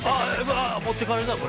持ってかれるなぁ。